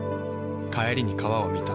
帰りに川を見た。